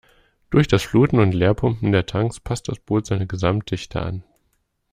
Durch das Fluten und Leerpumpen der Tanks passt das Boot seine Gesamtdichte an.